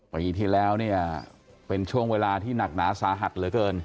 ปีที่แล้วเนี่ยเป็นช่วงเวลาที่หนักหนาสาหัสเหลือเกิน